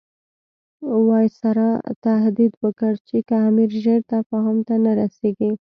وایسرا تهدید وکړ چې که امیر ژر تفاهم ته نه رسیږي.